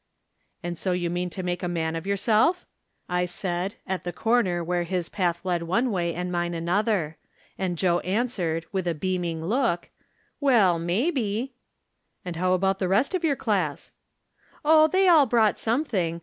" And so you mean to make a man of your self ?" I said, at the corner, where his path led one way and mine another ; and Joe answered, with a beaming look : "Well, maybe." " And how about the rest of your class ?"" Oh, they all brought something.